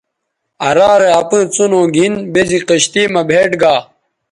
آ رارے اپئیں څنو گِھن بے زی کشتئ مہ بھئیٹ گا